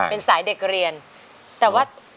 เป็นสายเด็กเรียนแต่ว่า